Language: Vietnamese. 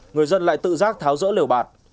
người dân lại tự rác tháo rỡ liều bạt